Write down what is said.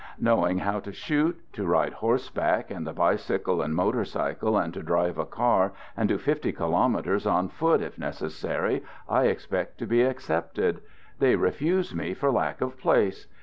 Knowing how to shoot, to ride horseback, and the bicycle and motorcycle, and to drive a car, and do fifty kilometers on foot if necessary, I expect to be accepted; they refuse me for lack of place.